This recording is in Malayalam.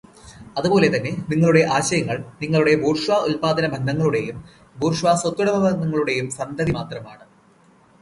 അതുപോലെതന്നെ നിങ്ങളുടെ ആശയങ്ങൾ നിങ്ങളുടെ ബൂർഷ്വാ ഉല്പാദനബന്ധങ്ങളുടേയും ബൂർഷ്വാ സ്വത്തുടമബന്ധങ്ങളുടേയും സന്തതി മാത്രമാണ്.